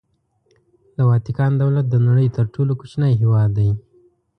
د واتیکان دولت د نړۍ تر ټولو کوچنی هېواد دی.